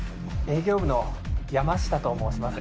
営業部の山下と申します。